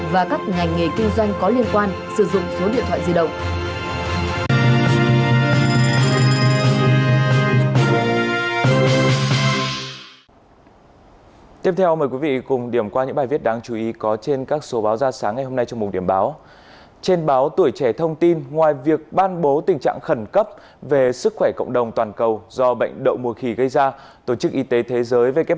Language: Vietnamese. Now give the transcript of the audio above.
và các ngành nghề kinh doanh có liên quan sử dụng số điện thoại di động